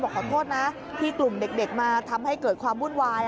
ขอโทษนะที่กลุ่มเด็กมาทำให้เกิดความวุ่นวาย